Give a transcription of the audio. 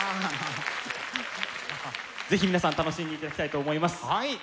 是非皆さん楽しんでいただきたいと思います。